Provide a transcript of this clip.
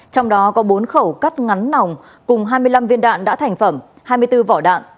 trong đó có bốn khẩu cắt ngắn nòng cùng hai mươi năm viên đạn đã thành phẩm hai mươi bốn vỏ đạn